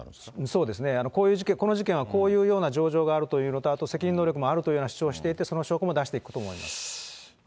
そうですね、この事件はこういうような情状があるということと責任能力もあるということを主張をしていてその証拠も出していくと思います。